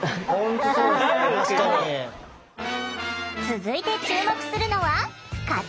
続いて注目するのは形。